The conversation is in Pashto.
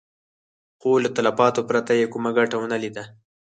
خو له تلفاتو پرته يې کومه ګټه ونه ليده.